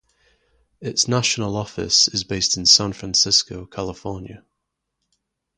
Its national office is based in San Francisco, California.